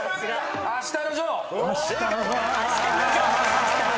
『あしたのジョー』正解。